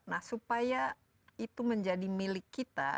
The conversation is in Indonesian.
nah supaya itu menjadi milik kita